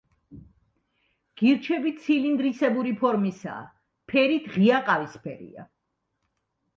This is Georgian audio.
გირჩები ცილინდრისებური ფორმისაა, ფერით ღია ყავისფერია.